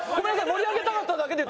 盛り上げたかっただけで。